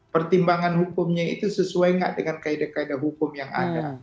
pertimbangan hukumnya itu sesuai nggak dengan kaedah kaedah hukum yang ada